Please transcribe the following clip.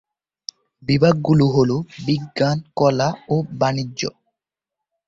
বিভাগগুলো হলো বিজ্ঞান, কলা ও বাণিজ্য।